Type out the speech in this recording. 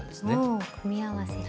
おお組み合わせ。